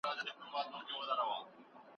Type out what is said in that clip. د ده په غږ کې یو مست ترنم نغښتی دی.